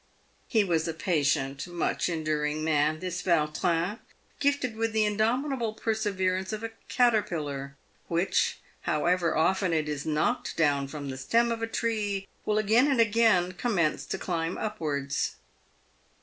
He was a patient, much enduring man, this Vautrin, gifted with the indomitable perseverance of a caterpillar, which, however often it is knocked down from the stem of a tree, will again and again com mence to climb upwards.